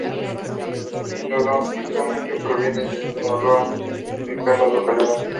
El holotipo macho proviene de Sinaloa, sin especificar la localidad.